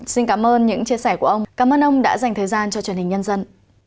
xin cảm ơn những chia sẻ của ông cảm ơn ông đã dành thời gian cho truyền hình nhân dân